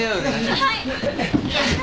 はい。